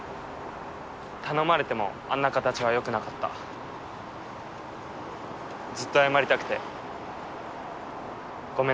頼まれてもあんな形はよくなかったずっと謝りたくてごめんなさい